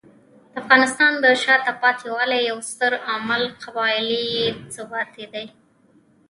د افغانستان د شاته پاتې والي یو ستر عامل قبایلي بې ثباتي دی.